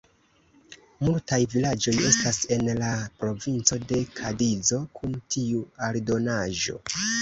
Multaj vilaĝoj estas en la Provinco de Kadizo kun tiu aldonaĵo.